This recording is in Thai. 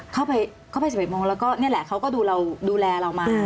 เข้าไป๑๑โมงแล้วก็นี่แหละเขาก็ดูเราดูแลเรามา